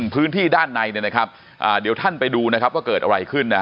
พื้นที่ด้านในเดี๋ยวท่านไปดูนะครับว่าเกิดอะไรขึ้น